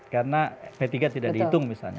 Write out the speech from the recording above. karena p tiga tidak dihitung misalnya